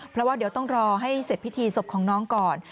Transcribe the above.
เพราะว่าเดี๋ยวต้องรอให้เสร็จพิธีศพของน้องก่อน